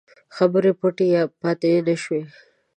خبرې پټې پاته نه شوې.